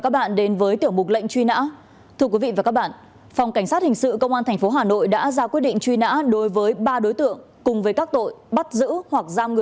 bản tin tiếp tục với những thông tin về truy nãn tội phạm